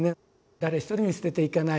誰ひとり見捨てていかない。